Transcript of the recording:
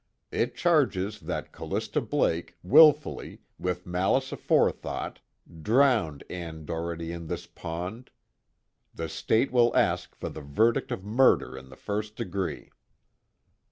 It charges that Callista Blake, willfully, with malice aforethought, drowned Ann Doherty in this pond. The State will ask for the verdict of murder in the first degree."